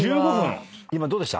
今どうでした？